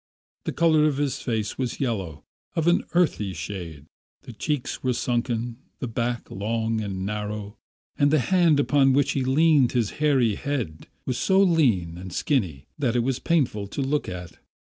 The colour of his face was yellow, of an earthy shade; the cheeks were sunken, the back long and narrow, and the hand upon which he leaned his hairy head was so lean and skinny that it was painful to look upon.